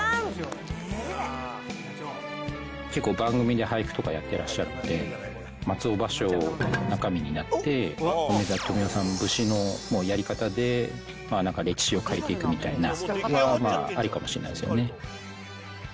結構、番組で俳句とかやってらっしゃるので、松尾芭蕉の中身になって、梅沢富美男さん節のやり方で、なんか歴史を変えていくみたいな、ありかもしれないですよね。